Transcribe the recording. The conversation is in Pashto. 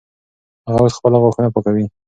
هغه اوس خپل غاښونه پاکوي.